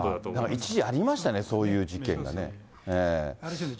一時ありましたよね、そういう事件がね。